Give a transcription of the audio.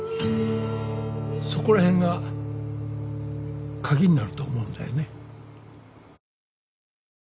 そこら辺が鍵になると思うんだよね。